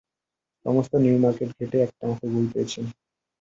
সমস্ত New Market ঘেটে একটামাত্র বই পেয়েছেন।